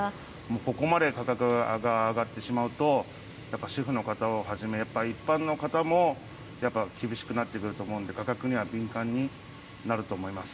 ここまで価格が上がってしまうと、主婦の方をはじめ、一般の方も、やっぱり厳しくなってくると思うんで、価格には敏感になると思います。